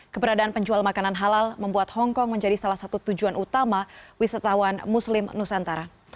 keberadaan penjual makanan halal membuat hongkong menjadi salah satu tujuan utama wisatawan muslim nusantara